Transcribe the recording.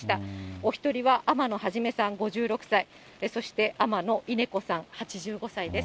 お１人は、天野初さん５６歳、そして天野稲子さん８５歳です。